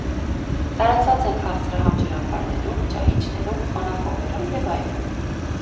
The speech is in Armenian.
Տարածված են քաղցրահամ ջրամբարներում, ճահիճներում, խոնավ հողերում և այլն։